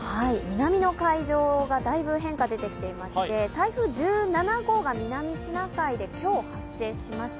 南の海上がだいぶ変化が出てきていまして台風１７号が南シナ海で今日、発生しました。